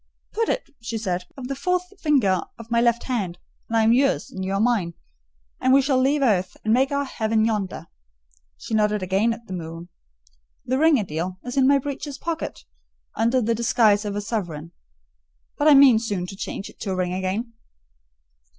'Put it,' she said, 'on the fourth finger of my left hand, and I am yours, and you are mine; and we shall leave earth, and make our own heaven yonder.' She nodded again at the moon. The ring, Adèle, is in my breeches pocket, under the disguise of a sovereign: but I mean soon to change it to a ring again."